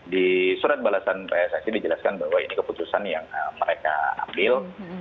di surat balasan pssi dijelaskan bahwa ini keputusan yang mereka ambil